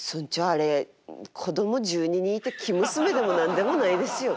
あれ子供１２人いて生娘でも何でもないですよ。